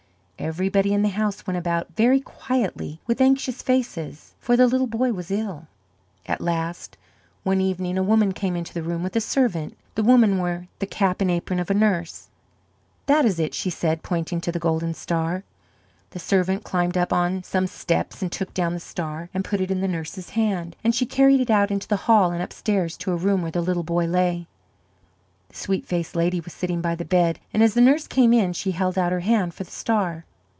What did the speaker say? Everybody in the house went about very quietly, with anxious faces; for the little boy was ill. At last, one evening, a woman came into the room with a servant. The woman wore the cap and apron of a nurse. "That is it," she said, pointing to the golden star. The servant climbed up on some steps and took down the star and put it in the nurse's hand, and she carried it out into the hall and upstairs to a room where the little boy lay. The sweet faced lady was sitting by the bed, and as the nurse came in she held out her hand for the star.